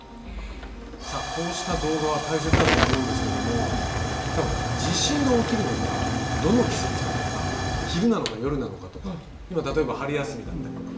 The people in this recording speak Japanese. さあこうした動画は大切だと思うんですけども地震が起きるのがどの季節かとか昼なのか夜なのかとか今例えば春休みだったりとか。